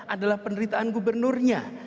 adalah penderitaan gubernurnya